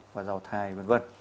và rau thai v v